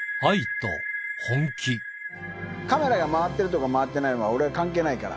カメラが回ってるとか回ってないのは、俺は関係ないから。